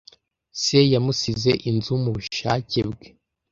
Se yamusize inzu mubushake bwe.